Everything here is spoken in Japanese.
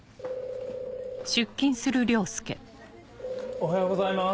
おはようございます。